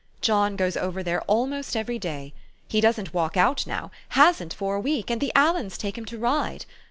John goes over there almost every day. He doesn't walk out now, hasn't for a week ; and the Aliens take him to ride.